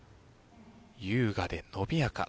優雅で伸びやか。